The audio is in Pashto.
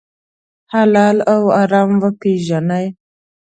حلال او حرام وپېژنئ.